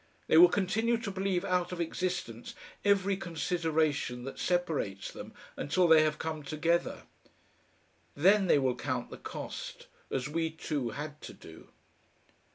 They will continue to believe out of existence every consideration that separates them until they have come together. Then they will count the cost, as we two had to do.